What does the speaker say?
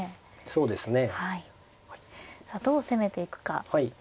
そうですね。